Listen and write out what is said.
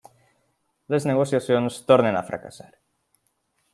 Les negociacions tornen a fracassar.